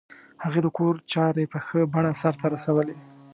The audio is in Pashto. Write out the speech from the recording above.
هغې د کور چارې په ښه بڼه سرته رسولې